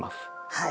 はい。